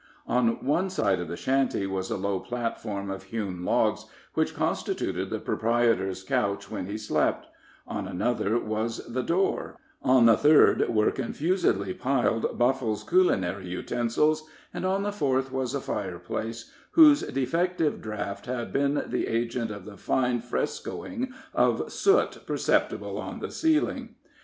On one side of the shanty was a low platform of hewn logs, which constituted the proprietor's couch when he slept; on another was the door, on the third were confusedly piled Buffle's culinary utensils, and on the fourth was a fireplace, whose defective draft had been the agent of the fine frescoing of soot perceptible on the ceiling.